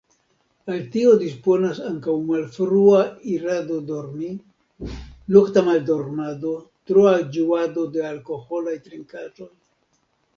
Al tio disponas ankaŭ malfrua irado dormi, nokta maldormado, troa ĝuado de alkoholaj trinkaĵoj.